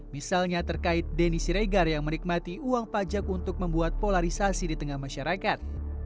misalnya terkait denny siregar yang menikmati uang pajak untuk membuat polarisasi di tengah masyarakat